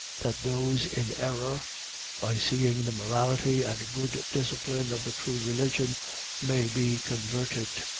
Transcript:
. .that those in error, by seeing the morality and good discipline of the true religion, may be converted.